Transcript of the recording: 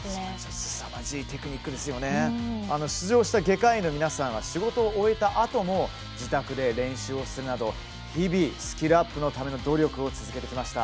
ちなみに、出場した外科医の皆さんは仕事を終えたあとも自宅で練習を重ねるなど日々スキルアップのための努力を続けてきました。